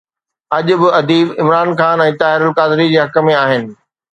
اڄ به اديب عمران خان ۽ طاهر القادري جي حق ۾ آهن.